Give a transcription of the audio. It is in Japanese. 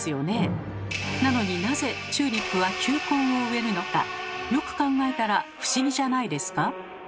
なのになぜチューリップは球根を植えるのかよく考えたら不思議じゃないですか？